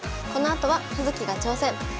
このあとは「葉月が挑戦！」。